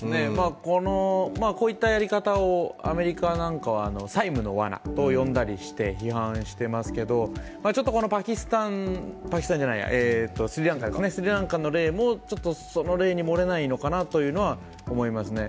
こういったやり方をアメリカなんかは債務の罠と呼んだりして批判してますけど、このスリランカの例も、その例に漏れないのかなというのは思いますね。